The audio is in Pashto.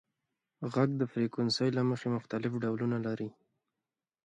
• ږغ د فریکونسۍ له مخې مختلف ډولونه لري.